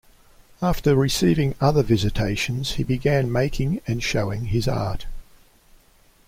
After receiving other visitations, he began making and showing his art.